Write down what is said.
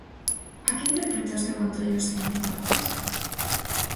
¿A que interpreta ao seu antollo o señor Tahoces?